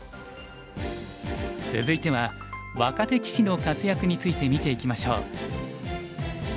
続いては若手棋士の活躍について見ていきましょう。